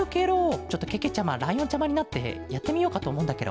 ちょっとけけちゃまライオンちゃまになってやってみようかとおもうんだケロ。